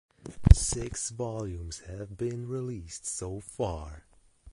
Six volumes have been released so far.